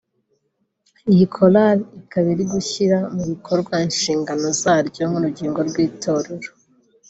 iyi korali ikaba iri gushyira mu bikorwa inshingano zaryo nk’urugingo rw’itorero